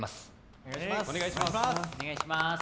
お願いします